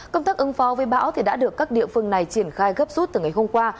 công thức ứng phó với bão thì đã được các địa phương này triển khai gấp suốt từ ngày hôm qua